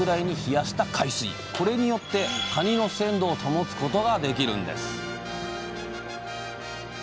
これによってかにの鮮度を保つことができるんです